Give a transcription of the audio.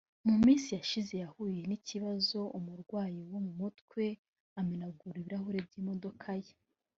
mu minsi yashize yahuye n’ikibazo umurwayi wo mu mutwe amenagura ibirahuri by’imodoka ye